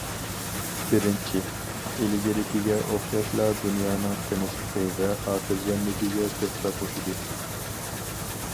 بىرىنچى، ئىلگىرىكىگە ئوخشاشلا دۇنيانىڭ تىنچلىقى ۋە خاتىرجەملىكىگە تۆھپە قوشىدۇ.